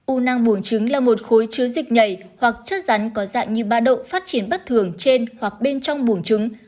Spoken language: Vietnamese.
u năng buồn trứng là một khối chứa dịch nhảy hoặc chất rắn có dạng như ba độ phát triển bất thường trên hoặc bên trong buồn trứng